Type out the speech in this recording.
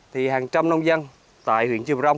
thì hàng trăm nông dân tại huyện chiêu prong